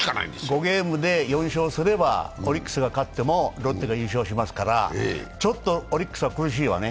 ５ゲームで４勝すれば、オリックスが勝ってもロッテが優勝しますから、ちょっとオリックスは苦しいわね。